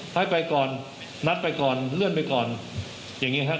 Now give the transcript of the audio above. ให้ไปก่อนนัดไปก่อนเลื่อนไปก่อนอย่างนี้ครับ